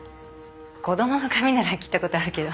子供の髪なら切ったことあるけど。